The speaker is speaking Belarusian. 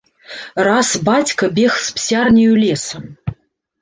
Раз бацька бег з псярняю лесам.